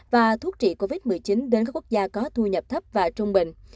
và thuốc trị covid một mươi chín đến các quốc gia có thu nhập thấp và trung bình